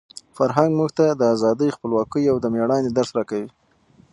فرهنګ موږ ته د ازادۍ، خپلواکۍ او د مېړانې درس راکوي.